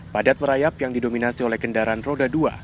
padat merayap yang didominasi oleh kendaraan roda dua